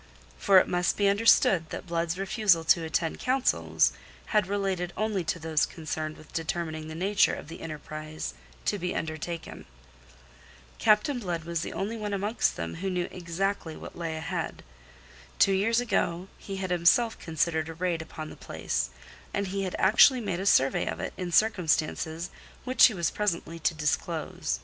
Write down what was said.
For it must be understood that Blood's refusal to attend councils had related only to those concerned with determining the nature of the enterprise to be undertaken. Captain Blood was the only one amongst them who knew exactly what lay ahead. Two years ago he had himself considered a raid upon the place, and he had actually made a survey of it in circumstances which he was presently to disclose.